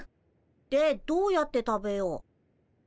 でどうやって食べよう？